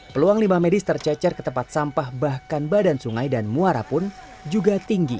peluang limbah medis tercecer ke tempat sampah bahkan badan sungai dan muara pun juga tinggi